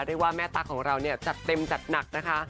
เรียกว่าแม่ตั๊กของเราเนี่ยจัดเต็มจัดหนักนะคะ